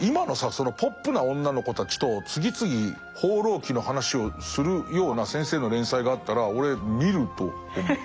そのポップな女の子たちと次々「放浪記」の話をするような先生の連載があったら俺見ると思う。